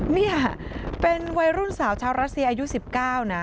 นี่ค่ะเป็นวัยรุ่นสาวชาวรัสเซียอายุ๑๙นะ